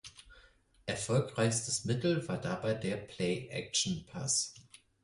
Erfolgreichstes Mittel war dabei der Play Action Pass.